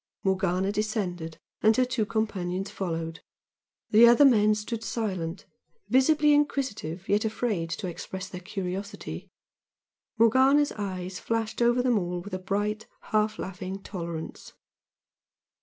Morgana descended, and her two companions followed. The other men stood silent, visibly inquisitive yet afraid to express their curiosity. Morgana's eyes flashed over them all with a bright, half laughing tolerance.